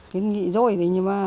kiến nghị rồi thì nhưng mà